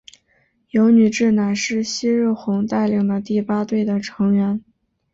油女志乃是夕日红带领的第八队的成员。